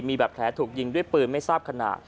มีแบบแผลถูกยิงด้วยปืนไม่ทราบขณะ